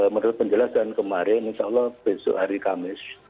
menurut penjelasan kemarin insya allah besok hari kamis